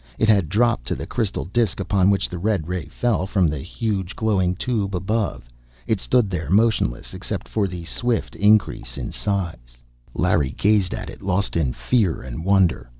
It had dropped to the crystal disk upon which the red ray fell from the huge, glowing tube above. It stood there, motionless except for the swift increase of its size. Larry gazed at it, lost in fear and wonder.